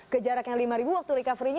ke jarak yang lima ribu waktu recovery